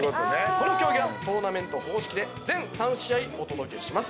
この競技はトーナメント方式で全３試合お届けします。